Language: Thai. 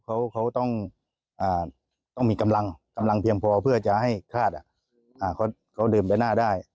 เขาต้องมีกำลังเพียงพอเพื่อจะให้ฆาตเขาดื่มเป็นหน้าได้